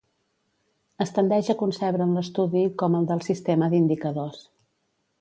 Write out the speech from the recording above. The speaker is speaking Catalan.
Es tendeix a concebre'n l'estudi com el del sistema d'indicadors.